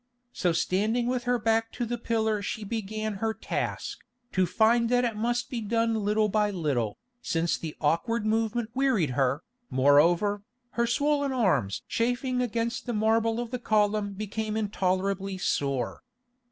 So standing with her back to the pillar she began her task, to find that it must be done little by little, since the awkward movement wearied her, moreover, her swollen arms chafing against the marble of the column became intolerably sore.